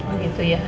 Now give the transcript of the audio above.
oh gitu ya